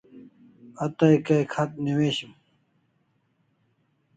A tay kay kh'at newishim